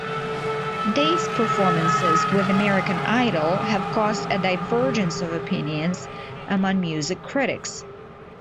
Day's performances with "American Idol" have caused a divergence of opinions among music critics.